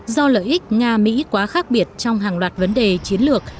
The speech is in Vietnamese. do lợi ích nga mỹ quá khác biệt trong hàng loạt vấn đề chiến lược